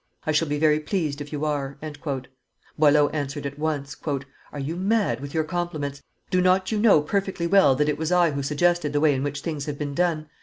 I shall be very pleased if you are." Boileau answered at once: "Are you mad with your compliments? Do not you know perfectly well that it was I who suggested the way in which things have been done?